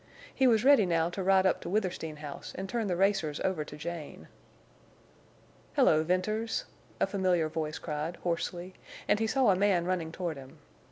He was ready now to ride up to Withersteen House and turn the racers over to Jane. "Hello, Venters!" a familiar voice cried, hoarsely, and he saw a man running toward him.